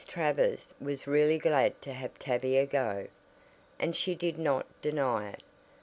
Travers was really glad to have Tavia go, and she did not deny it.